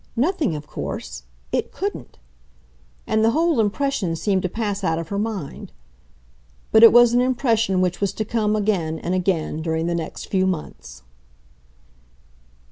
Nothing, of course! It couldn't!" and the whole impression seemed to pass out of her mind. But it was an impression which was to come again and again during the next few months.